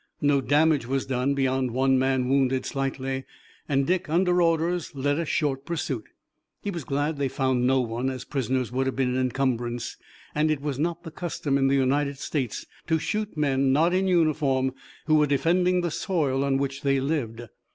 No damage was done beyond one man wounded slightly, and Dick, under orders, led a short pursuit. He was glad that they found no one, as prisoners would have been an incumbrance, and it was not the custom in the United States to shoot men not in uniform who were defending the soil on which they lived.